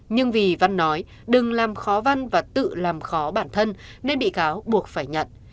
nhưng vì văn nói đừng làm khó văn và tự làm khó bản thân nên bị cáo buộc phải nhận